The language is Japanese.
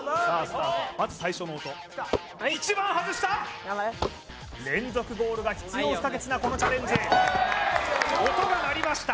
まず最初の音１番外した連続ゴールが必要不可欠なこのチャレンジ音が鳴りました